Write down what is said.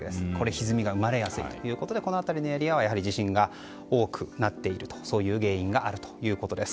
ひずみが生まれやすいということでこの辺りのエリアはやはり地震が多くなっているという原因があるということです。